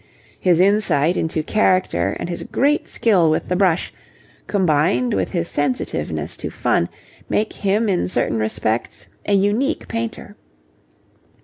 His insight into character and his great skill with the brush, combined with his sensitiveness to fun, make him in certain respects a unique painter.